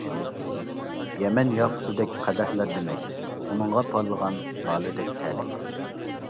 يەمەن ياقۇتىدەك قەدەھلەردە مەي، ئۇنىڭدا پارلىغان لالىدەك تەلەي.